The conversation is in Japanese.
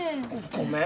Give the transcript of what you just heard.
ごめん。